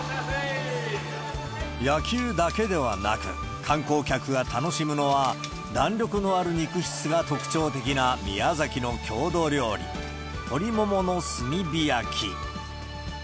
野球だけではなく、観光客が楽しむのは、弾力のある肉質が特徴的な宮崎の郷土料理、鶏ももの炭火焼き。